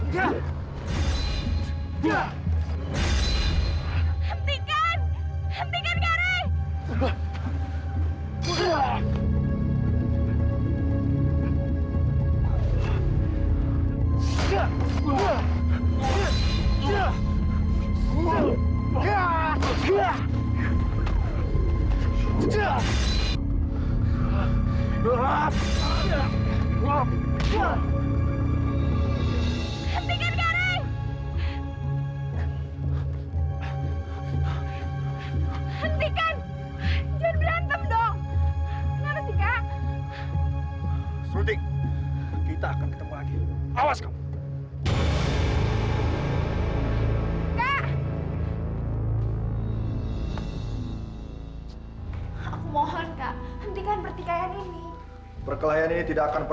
sampai jumpa di video selanjutnya